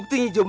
saya di siniab